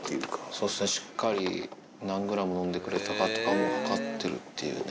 そうですね、しっかり何グラム飲んでくれたかとか測ってるっていうね。